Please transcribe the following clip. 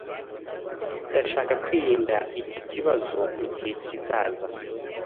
Ndashaka kwirinda iki kibazo mugihe kizaza.